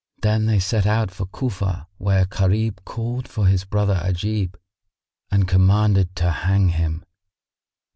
Then they set out for Cufa where Gharib called for his brother Ajib and commanded to hang him.